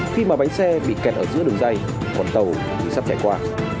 khi mà bánh xe bị kẹt ở giữa đường dây còn tàu thì sắp chạy qua